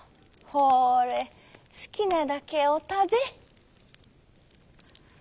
ほれすきなだけおたべ」。